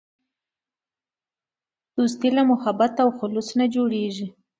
دوستي له محبت او خلوص نه جوړیږي.